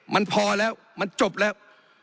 มันพอแล้วมันจบแล้ว